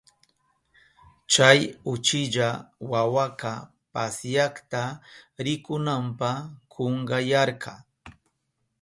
Chay uchilla wawaka pasyakta rikunanpa kunkayarka.